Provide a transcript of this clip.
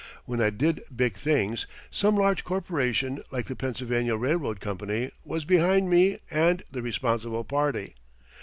When I did big things, some large corporation like the Pennsylvania Railroad Company was behind me and the responsible party.